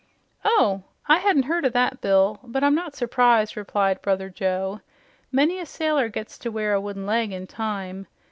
"Oh, I hadn't heard o' that, Bill, but I'm not surprised," replied Brother Joe. "Many a sailor gets to wear a wooden leg in time.